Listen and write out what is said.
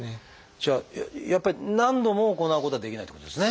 じゃあやっぱり何度も行うことはできないってことですね。